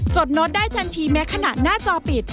โน้ตได้ทันทีแม้ขณะหน้าจอปิด